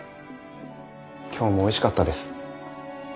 今日もおいしかったです。